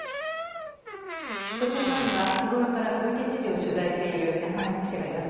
都庁前には日ごろから小池知事を取材している中丸記者がいます。